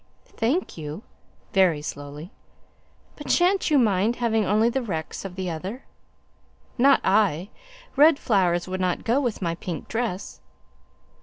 "Thank you" (very slowly). "But sha'n't you mind having only the wrecks of the other?" "Not I; red flowers would not go with my pink dress."